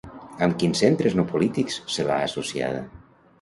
Amb quins centres no polítics se l'ha associada?